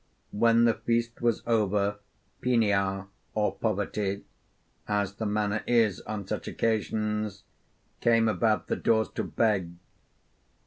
When the feast was over, Penia or Poverty, as the manner is on such occasions, came about the doors to beg.